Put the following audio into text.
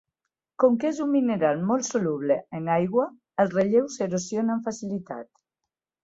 Com que és un mineral molt soluble en aigua, el relleu s'erosiona amb facilitat.